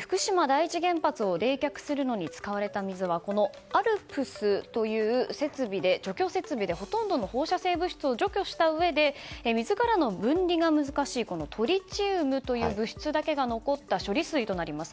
福島第一原発を冷却するのに使われた水はこのＡＬＰＳという除去設備でほとんどの放射性物質を除去したうえで水からの分離が難しいトリチウムという物質だけが残った処理水となります。